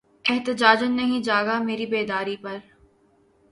احتجاجاً نہیں جاگا مری بیداری پر